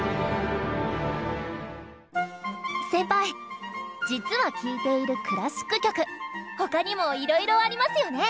先輩「実は聴いているクラシック曲」他にもいろいろありますよね？